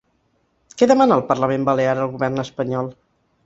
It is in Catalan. Què demana el Parlament Balear al govern espanyol?